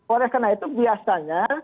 oleh karena itu biasanya